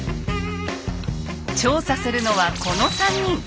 調査するのはこの３人。